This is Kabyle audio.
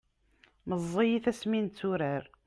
meẓẓiyit asmi netturar